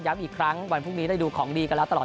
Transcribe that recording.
อีกครั้งวันพรุ่งนี้ได้ดูของดีกันแล้วตลอด